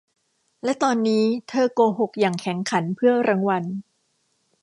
และตอนนี้เธอโกหกอย่างแข็งขันเพื่อรางวัล